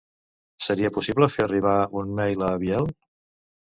Seria possible fer arribar un mail al Biel?